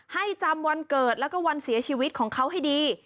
ให้จำวันเกิดแล้วก็วันเสียชีวิตของเขาให้ดี